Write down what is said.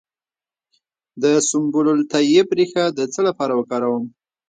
د سنبل الطیب ریښه د څه لپاره وکاروم؟